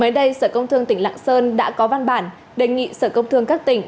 mới đây sở công thương tỉnh lạng sơn đã có văn bản đề nghị sở công thương các tỉnh